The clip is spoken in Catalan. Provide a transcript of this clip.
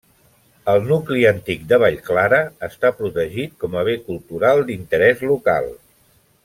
El nucli antic de Vallclara està protegit com a bé cultural d'interès local.